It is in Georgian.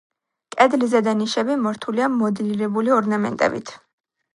კედლის ზედა ნიშები მორთულია მოდელირებული ორნამენტებით.